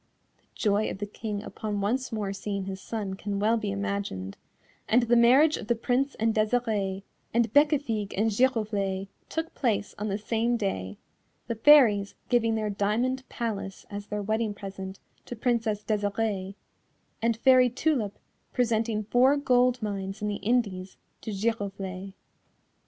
The joy of the King upon once more seeing his son can well be imagined, and the marriage of the Prince and Desirée, and Bécafigue and Giroflée took place on the same day, the Fairies giving their diamond palace as their wedding present to Princess Desirée, and Fairy Tulip presenting four gold mines in the Indies to Giroflée.